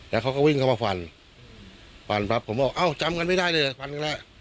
แล้วเขาก็วิ่งเข้ามาฟันฟันปั๊บผมบอกเอ้าจำกันไม่ได้เลยฟันกันแล้ว